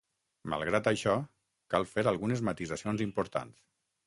Malgrat això, cal fer algunes matisacions importants.